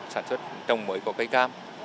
sản xuất trồng mới của cây cam